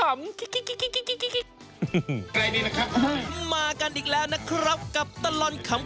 มากันอีกแล้วนะครับกับตลอดขำ